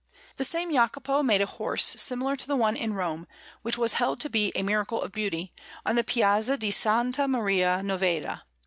The same Jacopo made a horse similar to the one in Rome, which was held to be a miracle of beauty, on the Piazza di S. Maria Novella.